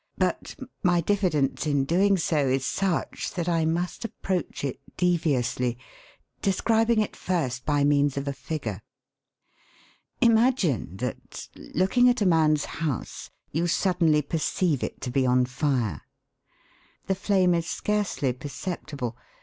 But my diffidence in doing so is such that I must approach it deviously, describing it first by means of a figure. Imagine that, looking at a man's house, you suddenly perceive it to be on fire. The flame is scarcely perceptible.